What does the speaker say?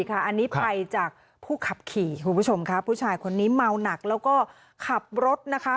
อันนี้ภัยจากผู้ขับขี่คุณผู้ชมค่ะผู้ชายคนนี้เมาหนักแล้วก็ขับรถนะคะ